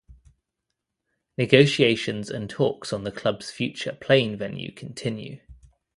Negotiations and talks on the clubs future playing venue continue.